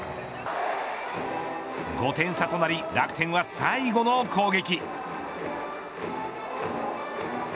５点差となり楽天は最後の攻撃。